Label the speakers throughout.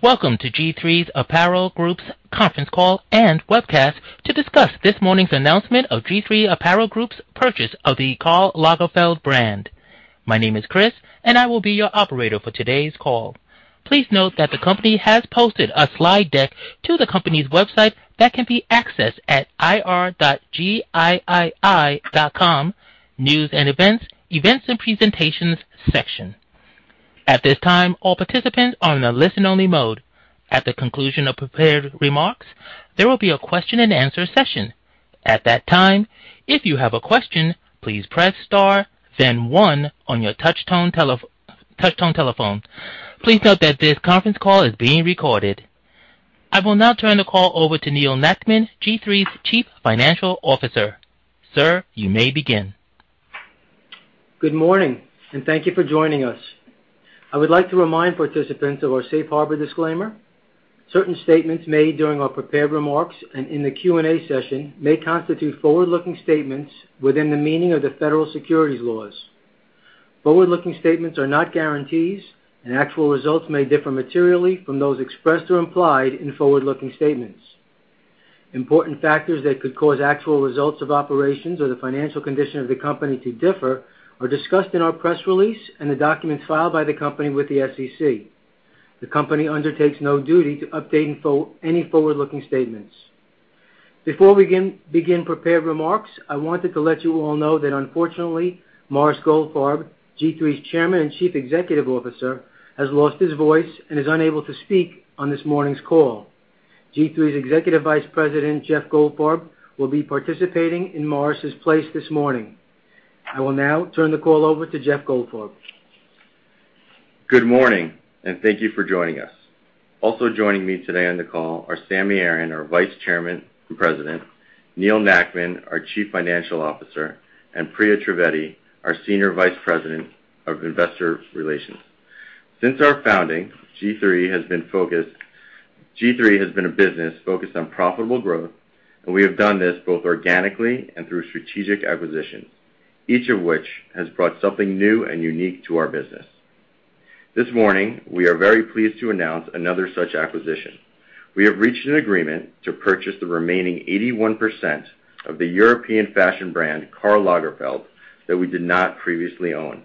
Speaker 1: Welcome to G-III Apparel Group's conference call and webcast to discuss this morning's announcement of G-III Apparel Group's purchase of the Karl Lagerfeld brand. My name is Chris and I will be your operator for today's call. Please note that the company has posted a slide deck to the company's website that can be accessed at ir.giii.com, News and Events and Presentations section. At this time, all participants are in a listen only mode. At the conclusion of prepared remarks, there will be a question and answer session. At that time, if you have a question, please press Star then one on your touch tone telephone. Please note that this conference call is being recorded. I will now turn the call over to Neal Nackman, G-III's Chief Financial Officer. Sir, you may begin.
Speaker 2: Good morning and thank you for joining us. I would like to remind participants of our safe harbor disclaimer. Certain statements made during our prepared remarks and in the Q&A session may constitute forward-looking statements within the meaning of the federal securities laws. Forward-looking statements are not guarantees, and actual results may differ materially from those expressed or implied in forward-looking statements. Important factors that could cause actual results of operations or the financial condition of the company to differ are discussed in our press release and the documents filed by the company with the SEC. The company undertakes no duty to update any forward-looking statements. Before we begin prepared remarks, I wanted to let you all know that unfortunately, Morris Goldfarb, G-III's Chairman and Chief Executive Officer, has lost his voice and is unable to speak on this morning's call. G-III's Executive Vice President, Jeffrey Goldfarb, will be participating in Morris's place this morning. I will now turn the call over to Jeffrey Goldfarb.
Speaker 3: Good morning and thank you for joining us. Also joining me today on the call are Sammy Aaron, our Vice Chairman and President, Neal Nackman, our Chief Financial Officer, and Priya Trivedi, our Senior Vice President of Investor Relations. Since our Founding, G-III has been a business focused on profitable growth, and we have done this both organically and through strategic acquisitions, each of which has brought something new and unique to our business. This morning, we are very pleased to announce another such acquisition. We have reached an agreement to purchase the remaining 81% of the European fashion brand Karl Lagerfeld that we did not previously own.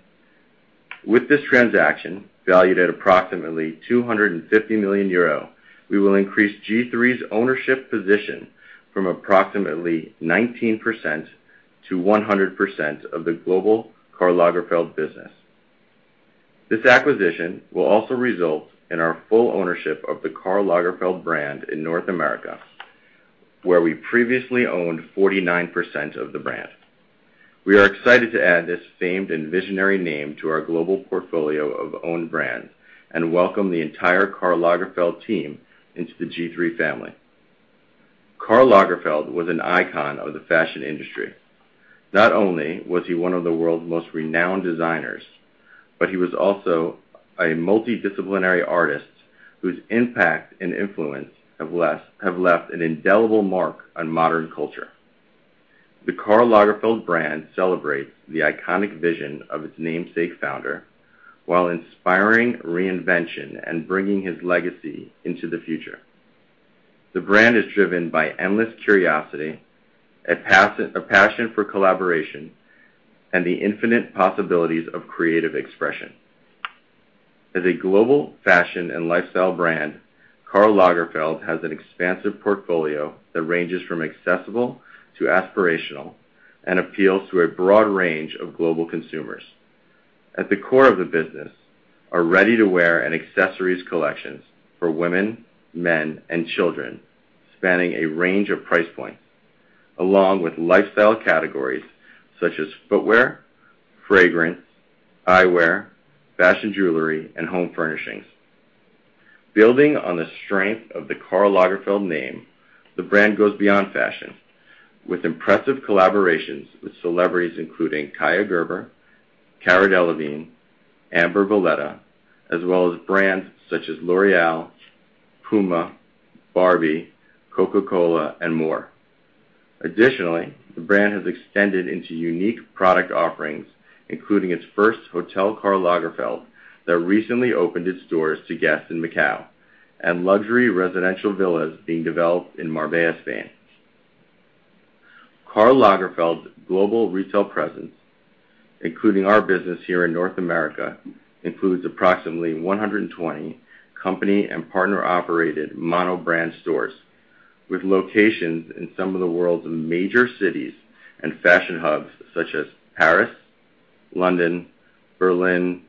Speaker 3: With this transaction valued at approximately 250 million euro, we will increase G-III's ownership position from approximately 19% to 100% of the global Karl Lagerfeld business. This acquisition will also result in our full ownership of the Karl Lagerfeld brand in North America, where we previously owned 49% of the brand. We are excited to add this famed and visionary name to our global portfolio of owned brands and welcome the entire Karl Lagerfeld team into the G-III family. Karl Lagerfeld was an icon of the fashion industry. Not only was he one of the world's most renowned designers, but he was also a multidisciplinary artist whose impact and influence have left an indelible mark on modern culture. The Karl Lagerfeld brand celebrates the iconic vision of its namesake founder while inspiring reinvention and bringing his legacy into the future. The brand is driven by endless curiosity, a passion for collaboration, and the infinite possibilities of creative expression. As a global fashion and lifestyle brand, Karl Lagerfeld has an expansive portfolio that ranges from accessible to aspirational and appeals to a broad range of global consumers. At the core of the business are ready-to-wear and accessories collections for women, men, and children, spanning a range of price points, along with lifestyle categories such as footwear, fragrance, eyewear, fashion jewelry, and home furnishings. Building on the strength of the Karl Lagerfeld name, the brand goes beyond fashion with impressive collaborations with celebrities including Kaia Gerber, Cara Delevingne, Amber Valletta, as well as brands such as L'Oréal, Puma, Barbie, Coca-Cola, and more. Additionally, the brand has extended into unique product offerings, including its first hotel, Karl Lagerfeld, that recently opened its doors to guests in Macau, and luxury residential villas being developed in Marbella, Spain. Karl Lagerfeld's global retail presence, including our business here in North America, includes approximately 120 company and partner-operated mono brand stores, with locations in some of the world's major cities and fashion hubs such as Paris, London, Berlin,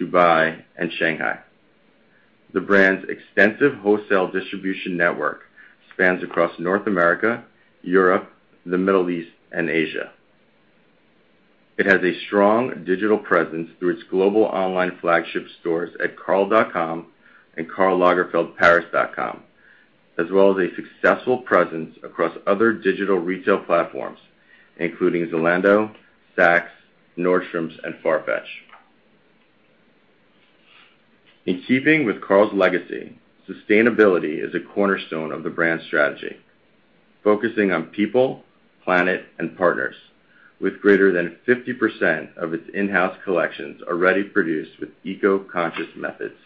Speaker 3: Dubai, and Shanghai. The brand's extensive wholesale distribution network spans across North America, Europe, the Middle East, and Asia. It has a strong digital presence through its global online flagship stores at karl.com and karllagerfeldparis.com, as well as a successful presence across other digital retail platforms, including Zalando, Saks, Nordstrom, and Farfetch. In keeping with Karl's legacy, sustainability is a cornerstone of the brand's strategy, focusing on people, planet, and partners with greater than 50% of its in-house collections already produced with eco-conscious methods.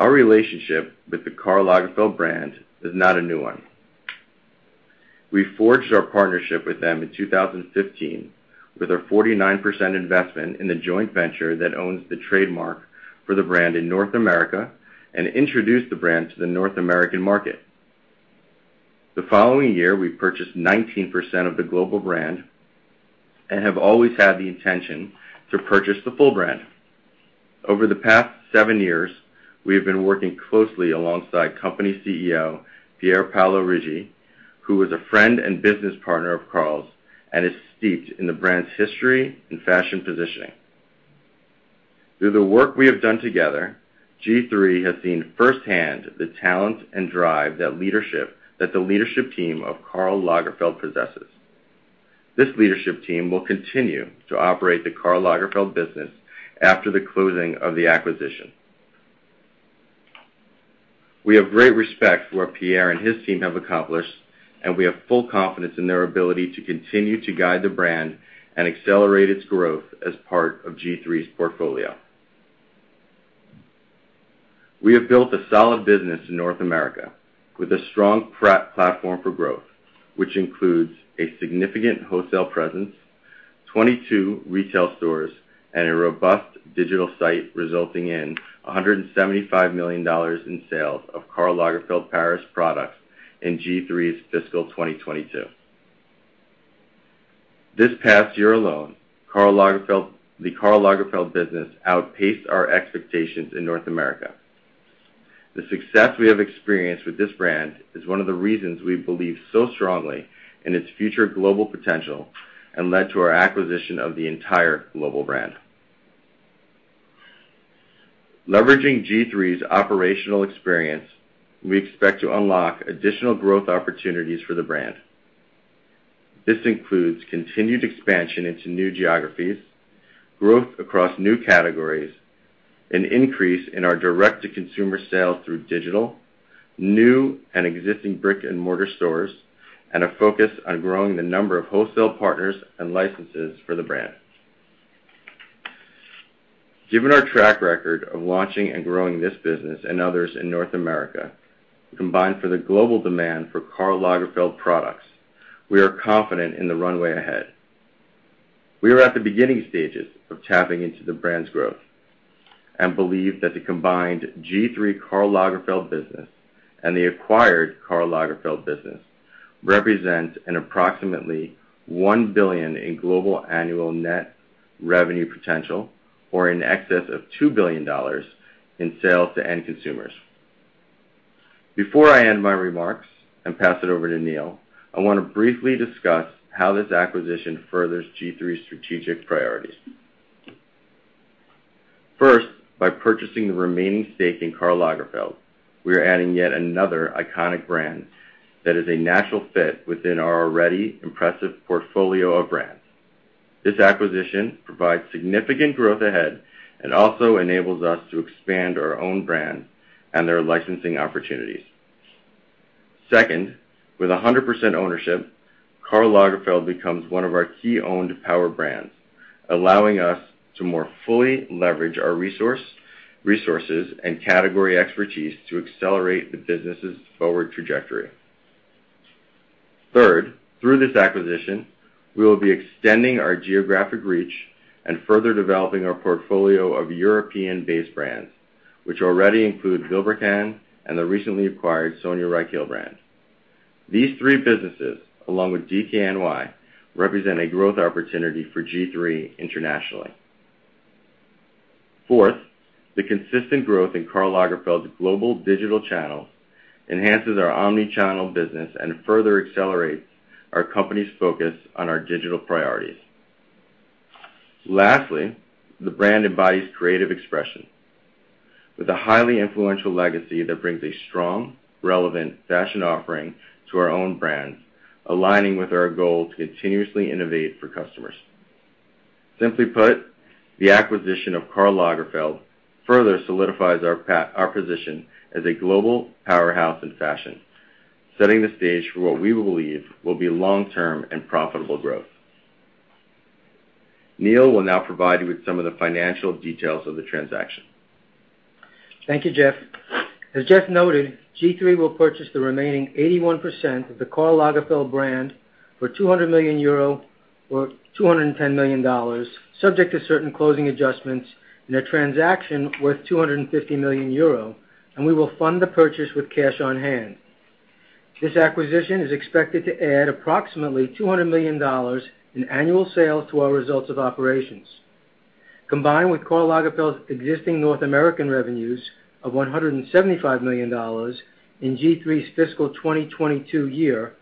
Speaker 3: Our relationship with the Karl Lagerfeld brand is not a new one. We forged our partnership with them in 2015 with a 49% investment in the joint venture that owns the trademark for the brand in North America and introduced the brand to the North American market. The following year, we purchased 19% of the global brand and have always had the intention to purchase the full brand. Over the past seven years, we have been working closely alongside Company CEO Pier Paolo Righi, who is a friend and business partner of Karl's and is steeped in the brand's history and fashion positioning. Through the work we have done together, G-III has seen firsthand the talent and drive that the leadership team of Karl Lagerfeld possesses. This leadership team will continue to operate the Karl Lagerfeld business after the closing of the acquisition. We have great respect for what Pierre and his team have accomplished, and we have full confidence in their ability to continue to guide the brand and accelerate its growth as part of G-III's portfolio. We have built a solid business in North America with a strong platform for growth, which includes a significant wholesale presence, 22 retail stores, and a robust digital site, resulting in $175 million in sales of Karl Lagerfeld Paris products in G-III's fiscal 2022. This past year alone, the Karl Lagerfeld business outpaced our expectations in North America. The success we have experienced with this brand is one of the reasons we believe so strongly in its future global potential and led to our acquisition of the entire global brand. Leveraging G-III's operational experience, we expect to unlock additional growth opportunities for the brand. This includes continued expansion into new geographies, growth across new categories, an increase in our direct-to-consumer sales through digital, new and existing brick-and-mortar stores, and a focus on growing the number of wholesale partners and licenses for the brand. Given our track record of launching and growing this business and others in North America, combined with the global demand for Karl Lagerfeld products, we are confident in the runway ahead. We are at the beginning stages of tapping into the brand's growth and believe that the combined G-III Karl Lagerfeld business and the acquired Karl Lagerfeld business represent approximately $1 billion in global annual net revenue potential or in excess of $2 billion in sales to end consumers. Before I end my remarks and pass it over to Neal, I wanna briefly discuss how this acquisition furthers G-III's strategic priorities. First, by purchasing the remaining stake in Karl Lagerfeld, we are adding yet another iconic brand that is a natural fit within our already impressive portfolio of brands. This acquisition provides significant growth ahead and also enables us to expand our own brand and their licensing opportunities. Second, with 100% ownership, Karl Lagerfeld becomes one of our key owned power brands, allowing us to more fully leverage our resources and category expertise to accelerate the business's forward trajectory. Third, through this acquisition, we will be extending our geographic reach and further developing our portfolio of European-based brands, which already include Vilebrequin and the recently acquired Sonia Rykiel brand. These three businesses, along with DKNY, represent a growth opportunity for G-III internationally. Fourth, the consistent growth in Karl Lagerfeld's global digital channels enhances our omni-channel business and further accelerates our company's focus on our digital priorities. Lastly, the brand embodies creative expression with a highly influential legacy that brings a strong, relevant fashion offering to our own brands, aligning with our goal to continuously innovate for customers. Simply put, the acquisition of Karl Lagerfeld further solidifies our position as a global powerhouse in fashion, setting the stage for what we believe will be long-term and profitable growth. Neal will now provide you with some of the financial details of the transaction.
Speaker 2: Thank you, Jeff. As Jeff noted, G-III will purchase the remaining 81% of the Karl Lagerfeld brand for 200 million euro or $210 million, subject to certain closing adjustments in a transaction worth 250 million euro, and we will fund the purchase with cash on hand. This acquisition is expected to add approximately $200 million in annual sales to our results of operations. Combined with Karl Lagerfeld's existing North American revenues of $175 million in G-III's fiscal 2022 year,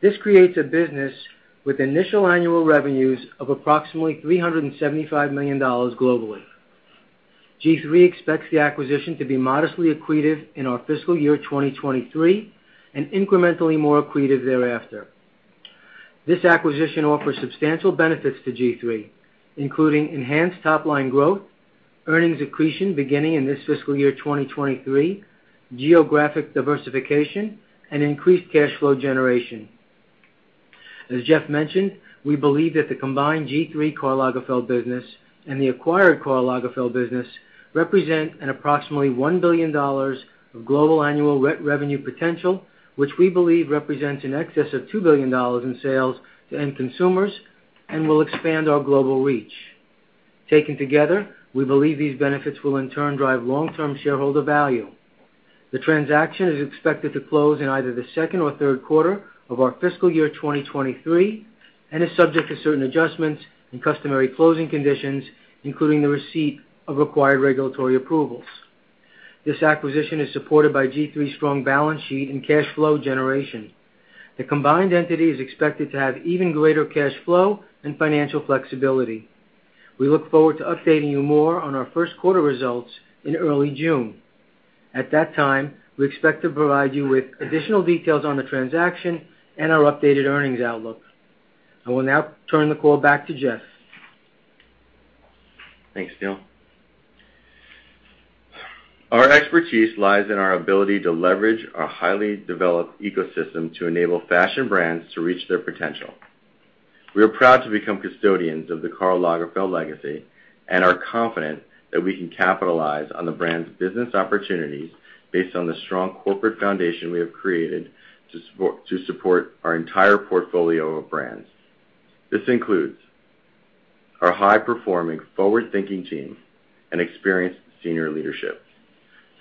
Speaker 2: this creates a business with initial annual revenues of approximately $375 million globally. G-III expects the acquisition to be modestly accretive in our fiscal year 2023 and incrementally more accretive thereafter. This acquisition offers substantial benefits to G-III, including enhanced top line growth, earnings accretion beginning in this fiscal year 2023, geographic diversification, and increased cash flow generation. As Jeff mentioned, we believe that the combined G-III Karl Lagerfeld business and the acquired Karl Lagerfeld business represent an approximately $1 billion of global annual revenue potential, which we believe represents in excess of $2 billion in sales to end consumers and will expand our global reach. Taken together, we believe these benefits will in turn drive long-term shareholder value. The transaction is expected to close in either the second or third quarter of our fiscal year 2023 and is subject to certain adjustments and customary closing conditions, including the receipt of required regulatory approvals. This acquisition is supported by G-III's strong balance sheet and cash flow generation. The combined entity is expected to have even greater cash flow and financial flexibility. We look forward to updating you more on our first quarter results in early June. At that time, we expect to provide you with additional details on the transaction and our updated earnings outlook. I will now turn the call back to Jeff.
Speaker 3: Thanks, Neal. Our expertise lies in our ability to leverage our highly developed ecosystem to enable fashion brands to reach their potential. We are proud to become custodians of the Karl Lagerfeld legacy and are confident that we can capitalize on the brand's business opportunities based on the strong corporate foundation we have created to support our entire portfolio of brands. This includes our high-performing, forward-thinking team and experienced senior leadership,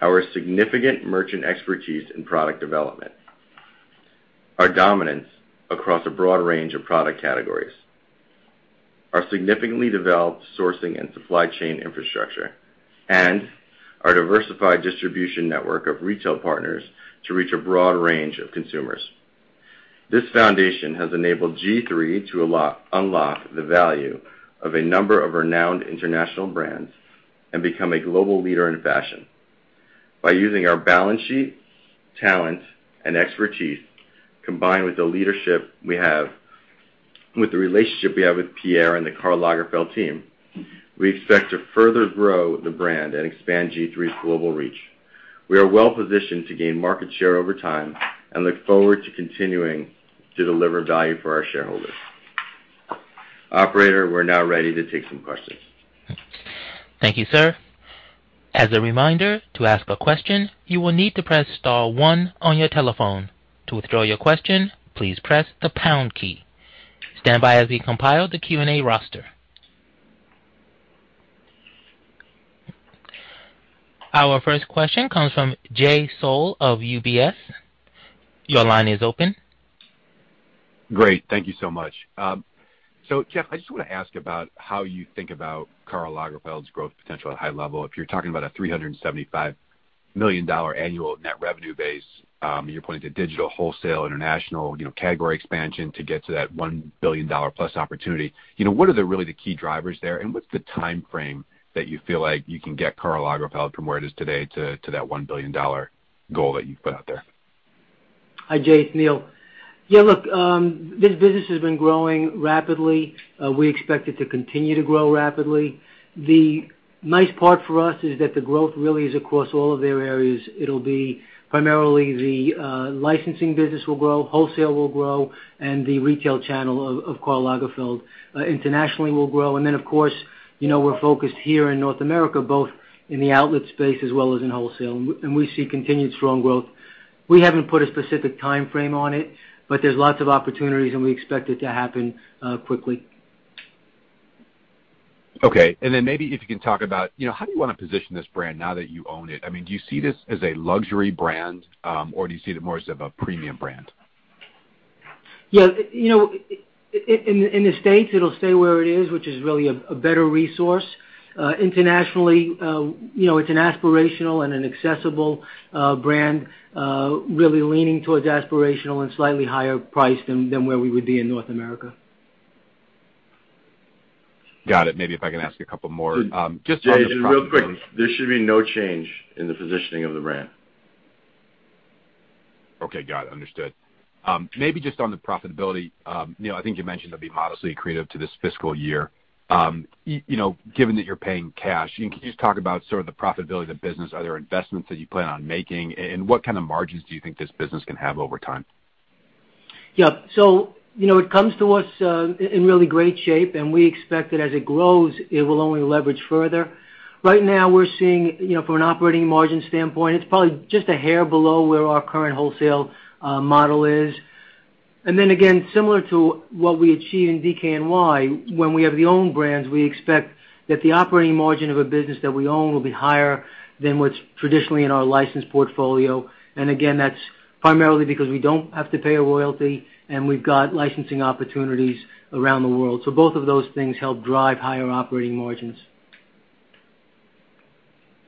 Speaker 3: our significant merchant expertise in product development, our dominance across a broad range of product categories, our significantly developed sourcing and supply chain infrastructure, and our diversified distribution network of retail partners to reach a broad range of consumers. This foundation has enabled G-III to unlock the value of a number of renowned international brands and become a global leader in fashion. By using our balance sheet, talent, and expertise, combined with the relationship we have with Pierre and the Karl Lagerfeld team, we expect to further grow the brand and expand G-III's global reach. We are well-positioned to gain market share over time and look forward to continuing to deliver value for our shareholders. Operator, we're now ready to take some questions.
Speaker 1: Thank you, sir. As a reminder, to ask a question, you will need to press star one on your telephone. To withdraw your question, please press the pound key. Stand by as we compile the Q&A roster. Our first question comes from Jay Sole of UBS. Your line is open.
Speaker 4: Great. Thank you so much. So Jeff, I just wanna ask about how you think about Karl Lagerfeld's growth potential at a high level. If you're talking about a $375 million annual net revenue base, you're pointing to digital, wholesale, international, you know, category expansion to get to that $1 billion plus opportunity. You know, what are really the key drivers there, and what's the timeframe that you feel like you can get Karl Lagerfeld from where it is today to that $1 billion goal that you've put out there?
Speaker 2: Hi, Jay. It's Neal. Yeah, look, this business has been growing rapidly. We expect it to continue to grow rapidly. The nice part for us is that the growth really is across all of their areas. It'll be primarily the licensing business will grow, wholesale will grow, and the retail channel of Karl Lagerfeld internationally will grow. Of course, you know, we're focused here in North America, both in the outlet space as well as in wholesale. We see continued strong growth. We haven't put a specific timeframe on it, but there's lots of opportunities, and we expect it to happen quickly.
Speaker 4: Okay. Maybe if you can talk about, you know, how do you wanna position this brand now that you own it? I mean, do you see this as a luxury brand, or do you see it more as of a premium brand?
Speaker 2: Yeah. You know, in the States, it'll stay where it is, which is really a better resource. Internationally, you know, it's an aspirational and an accessible brand, really leaning towards aspirational and slightly higher priced than where we would be in North America.
Speaker 4: Got it. Maybe if I can ask a couple more, just on this.
Speaker 3: Jay, real quick, there should be no change in the positioning of the brand.
Speaker 4: Okay, got it. Understood. Maybe just on the profitability, Neal, I think you mentioned it'll be modestly accretive to this fiscal year. You know, given that you're paying cash, can you just talk about sort of the profitability of the business? Are there investments that you plan on making? And what kind of margins do you think this business can have over time?
Speaker 2: Yeah. You know, it comes to us in really great shape, and we expect that as it grows, it will only leverage further. Right now we're seeing, you know, from an operating margin standpoint, it's probably just a hair below where our current wholesale model is. Again, similar to what we achieve in DKNY, when we have the owned brands, we expect that the operating margin of a business that we own will be higher than what's traditionally in our licensed portfolio. Again, that's primarily because we don't have to pay a royalty, and we've got licensing opportunities around the world. Both of those things help drive higher operating margins.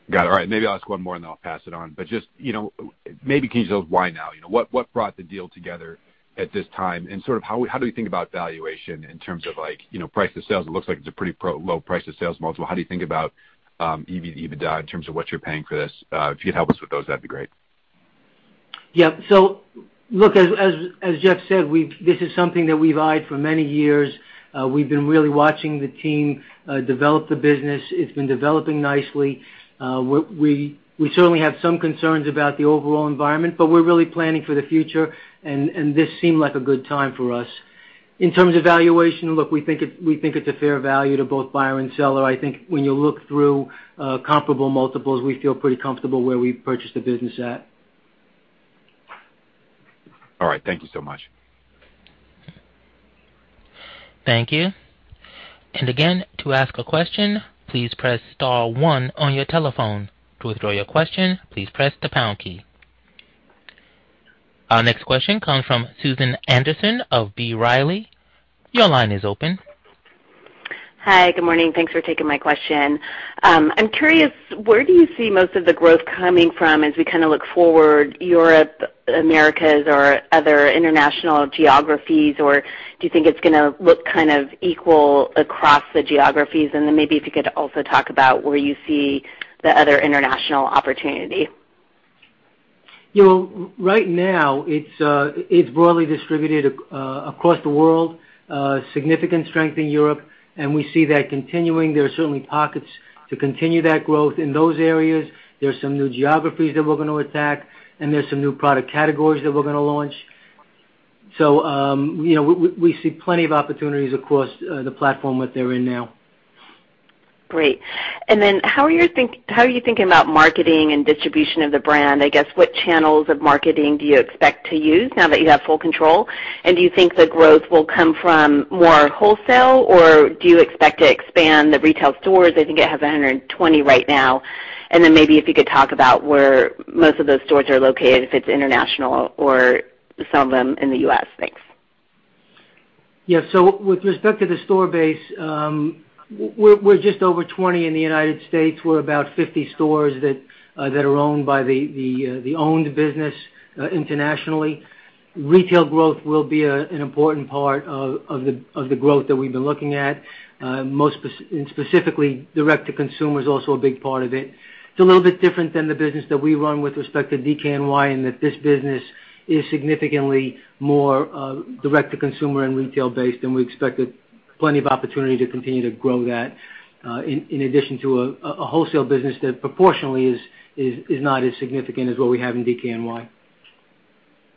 Speaker 4: Got it. All right. Maybe I'll ask one more, and then I'll pass it on. Just, you know, maybe can you tell us why now? You know, what brought the deal together at this time, and sort of how do we think about valuation in terms of, like, you know, price to sales? It looks like it's a pretty low price to sales multiple. How do you think about EBITDA in terms of what you're paying for this? If you could help us with those, that'd be great.
Speaker 2: Yeah. Look, as Jeff said, this is something that we've eyed for many years. We've been really watching the team develop the business. It's been developing nicely. We certainly have some concerns about the overall environment, but we're really planning for the future, and this seemed like a good time for us. In terms of valuation, look, we think it's a fair value to both buyer and seller. I think when you look through comparable multiples, we feel pretty comfortable where we purchased the business at.
Speaker 4: All right. Thank you so much.
Speaker 1: Thank you. Again, to ask a question, please press star one on your telephone. To withdraw your question, please press the pound key. Our next question comes from Susan Anderson of B. Riley. Your line is open.
Speaker 5: Hi. Good morning. Thanks for taking my question. I'm curious, where do you see most of the growth coming from as we kind of look forward, Europe, Americas or other international geographies? Or do you think it's gonna look kind of equal across the geographies? Maybe if you could also talk about where you see the other international opportunity.
Speaker 2: You know, right now, it's broadly distributed across the world, significant strength in Europe, and we see that continuing. There are certainly pockets to continue that growth in those areas. There's some new geographies that we're gonna attack, and there's some new product categories that we're gonna launch. You know, we see plenty of opportunities across the platform that they're in now.
Speaker 5: Great. Then how are you thinking about marketing and distribution of the brand? I guess, what channels of marketing do you expect to use now that you have full control? Do you think the growth will come from more wholesale, or do you expect to expand the retail stores? I think it has 120 right now. Then maybe if you could talk about where most of those stores are located, if it's international or some of them in the US. Thanks.
Speaker 2: Yeah. With respect to the store base, we're just over 20 in the United States. We're about 50 stores that are owned by the owned business internationally. Retail growth will be an important part of the growth that we've been looking at. Specifically, direct to consumer is also a big part of it. It's a little bit different than the business that we run with respect to DKNY, and that this business is significantly more direct to consumer and retail based, and we expect plenty of opportunity to continue to grow that, in addition to a wholesale business that proportionally is not as significant as what we have in DKNY.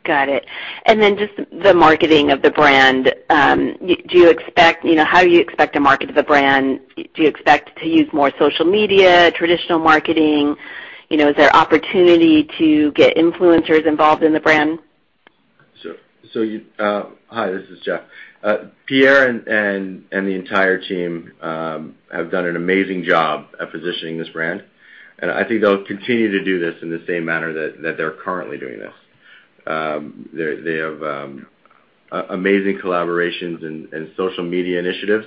Speaker 5: Got it. Just the marketing of the brand. You know, how do you expect to market the brand? Do you expect to use more social media, traditional marketing? You know, is there opportunity to get influencers involved in the brand?
Speaker 3: Hi, this is Jeff. Pierre and the entire team have done an amazing job at positioning this brand, and I think they'll continue to do this in the same manner that they're currently doing this. They have amazing collaborations and social media initiatives,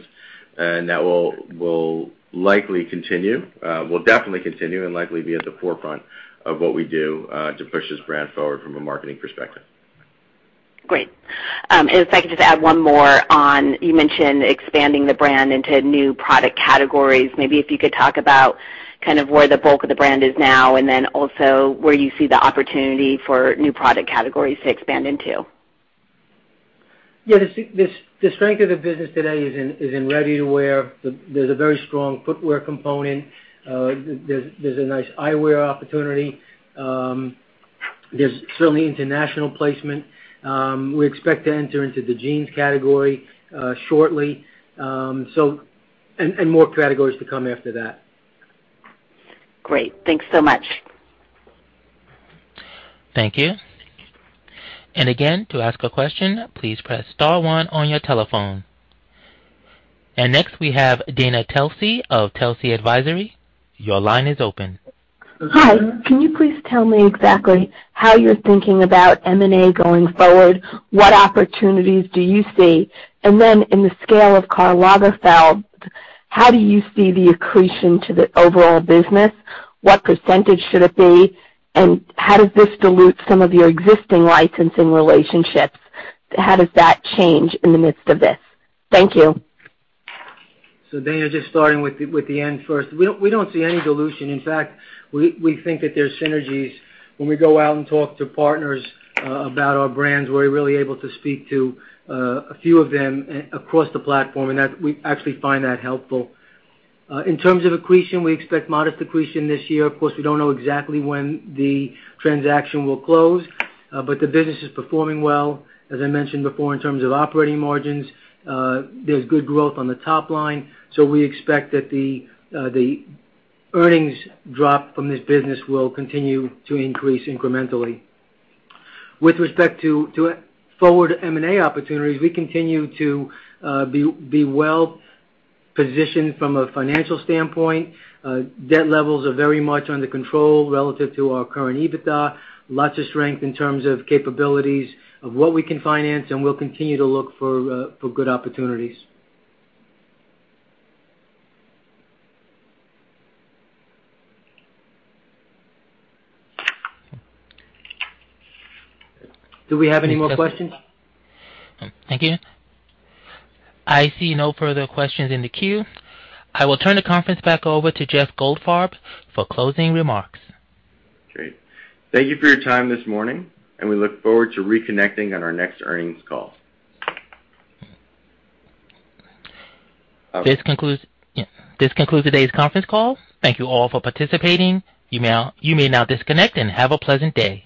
Speaker 3: and that will definitely continue and likely be at the forefront of what we do to push this brand forward from a marketing perspective.
Speaker 5: Great. If I could just add one more on. You mentioned expanding the brand into new product categories. Maybe if you could talk about kind of where the bulk of the brand is now and then also where you see the opportunity for new product categories to expand into.
Speaker 2: Yeah. The strength of the business today is in ready-to-wear. There's a very strong footwear component. There's a nice eyewear opportunity. There's certainly international placement. We expect to enter into the jeans category shortly. More categories to come after that.
Speaker 5: Great. Thanks so much.
Speaker 1: Thank you. Again, to ask a question, please press star one on your telephone. Next, we have Dana Telsey of Telsey Advisory. Your line is open.
Speaker 6: Hi. Can you please tell me exactly how you're thinking about M&A going forward? What opportunities do you see? In the scale of Karl Lagerfeld, how do you see the accretion to the overall business? What percentage should it be, and how does this dilute some of your existing licensing relationships? How does that change in the midst of this? Thank you.
Speaker 2: Dana, just starting with the end first. We don't see any dilution. In fact, we think that there's synergies. When we go out and talk to partners about our brands, we're really able to speak to a few of them across the platform, and that we actually find that helpful. In terms of accretion, we expect modest accretion this year. Of course, we don't know exactly when the transaction will close, but the business is performing well, as I mentioned before, in terms of operating margins. There's good growth on the top line, so we expect that the earnings from this business will continue to increase incrementally. With respect to forward M&A opportunities, we continue to be well-positioned from a financial standpoint. Debt levels are very much under control relative to our current EBITDA. Lots of strength in terms of capabilities of what we can finance, and we'll continue to look for good opportunities. Do we have any more questions?
Speaker 1: Thank you. I see no further questions in the queue. I will turn the conference back over to Jeffrey Goldfarb for closing remarks.
Speaker 3: Great. Thank you for your time this morning, and we look forward to reconnecting on our next earnings call.
Speaker 1: This concludes today's conference call. Thank you all for participating. You may now disconnect and have a pleasant day.